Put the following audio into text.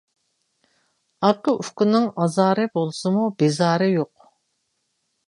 ئاكا-ئۇكىنىڭ ئازارى بولسىمۇ، بىزارى يوق.